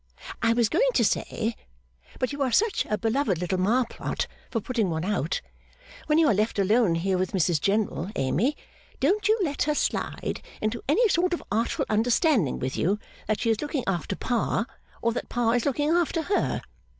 I was going to say but you are such a beloved little Marplot for putting one out when you are left alone here with Mrs General, Amy, don't you let her slide into any sort of artful understanding with you that she is looking after Pa, or that Pa is looking after her.